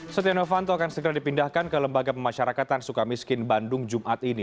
setia novanto akan segera dipindahkan ke lembaga pemasyarakatan suka miskin bandung jumat ini